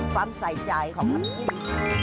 ความใส่ใจของน้ำตาวนี่